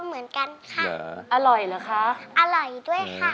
แล้วน้องใบบัวร้องได้หรือว่าร้องผิดครับ